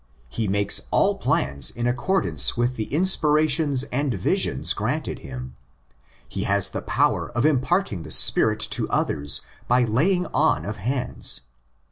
He makes all his plans in accordance with the inspirations and visions granted him. He has the power of imparting the Spirit to others by laying on of hands.